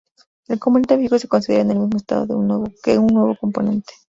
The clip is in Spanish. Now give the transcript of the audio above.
El componente fijo se considera en el mismo estado que un nuevo componente.